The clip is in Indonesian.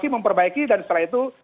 memperbaiki dan setelah itu